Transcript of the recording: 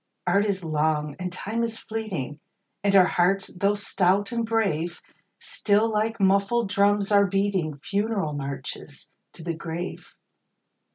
Art is long, and Time is fleeting, And our hearts, though stout and brave, Still, like muffled drums, are beating Funeral marches to the grave.